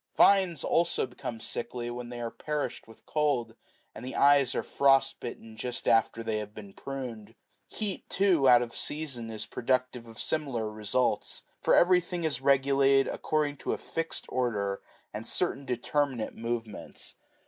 Vines also become sickly when they are perished with cold, and the eyes are frost bitten just after they have been pruned. Heat, too, out of season, is productive of similar results : for everything is regulated according to a fixed order and certain determinate movements.